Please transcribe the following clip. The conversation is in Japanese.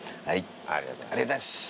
ありがとうございます。